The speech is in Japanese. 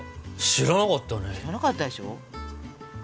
知らなかったでしょ。